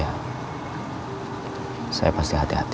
aku gak mau kamu kena masalah gara gara ini